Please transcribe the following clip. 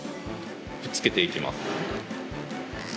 くっつけていきます。